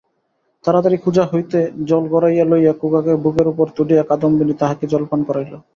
তাড়াতাড়ি কুঁজা হইতে জল গড়াইয়া লইয়া খোকাকে বুকের উপর তুলিয়া কাদম্বিনী তাহাকে জলপান করাইল।